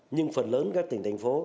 nhưng phần lớn các tỉnh thành phố